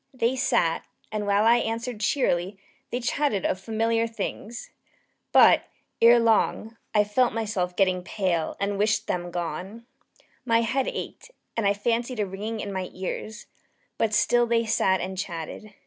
They sat, and while I answered cheerily, they chatted of familiar things. But, ere long, I felt myself getting pale and wished them gone. My head ached, and I fancied a ringing in my ears: but still they sat and still chatted.